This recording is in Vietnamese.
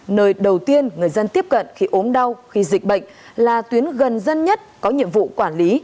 nơi đầu tiên người dân tiếp cận khi ốm đau khi dịch bệnh là tuyến gần dân nhất có nhiệm vụ quản lý